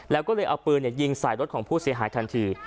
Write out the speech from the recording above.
แล้วก็เลยเอาปืนยิงใส่รถของผู้เสียหายทันที